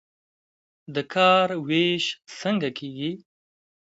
د کار ویش څنګه کیږي؟